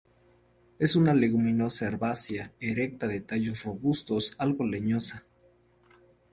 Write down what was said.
Es una leguminosa herbácea erecta de tallos robustos, algo leñosa.